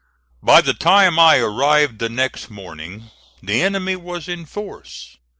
By the time I arrived the next morning the enemy was in force.